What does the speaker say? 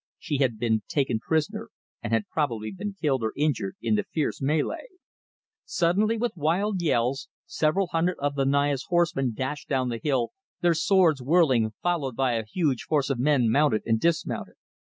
She had been taken prisoner, and had probably been killed or injured in the fierce mêlée. Suddenly with wild yells, several hundred of the Naya's horsemen dashed down the hill, their swords whirling, followed by a huge force of men mounted and dismounted.